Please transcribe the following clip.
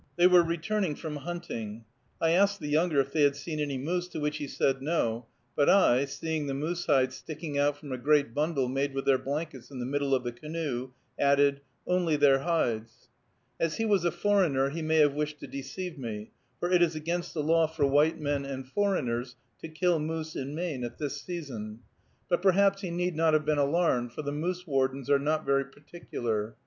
They were returning from hunting. I asked the younger if they had seen any moose, to which he said no; but I, seeing the moose hides sticking out from a great bundle made with their blankets in the middle of the canoe, added, "Only their hides." As he was a foreigner, he may have wished to deceive me, for it is against the law for white men and foreigners to kill moose in Maine at this season. But perhaps he need not have been alarmed, for the moose wardens are not very particular.